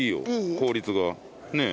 効率がねえ？